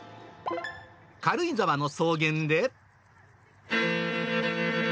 軽井沢の草原で。